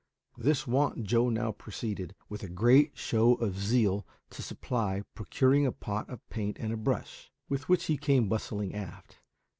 This want Joe now proceeded, with a great show of zeal, to supply, procuring a pot of paint and a brush, with which he came bustling aft.